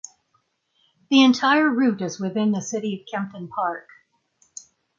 The entire route is within the city of Kempton Park.